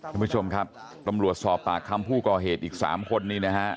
คุณผู้ชมครับตำรวจสอบปากคำผู้ก่อเหตุอีก๓คนนี้นะฮะ